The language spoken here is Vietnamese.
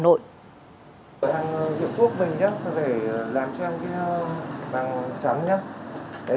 hàng dựa thuốc mình nhé phải làm cho anh cái bằng chắn nhé